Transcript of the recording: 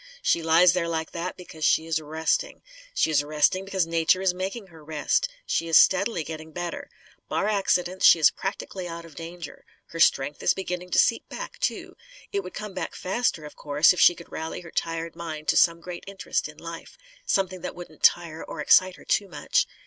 She lies there, like that, because she is resting. She is resting, because nature is making her rest. She is steadily getting better. Bar accidents, she is practically out of danger. Her strength is beginning to seep back, too. It would come back faster, of course, if she could rally her tired mind to some great interest in life something that wouldn't tire or excite her too much.